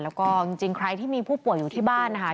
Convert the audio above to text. แล้วก็จริงใครที่มีผู้ป่วยอยู่ที่บ้านนะคะ